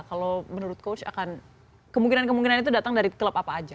kalau menurut coach akan kemungkinan kemungkinan itu datang dari klub apa aja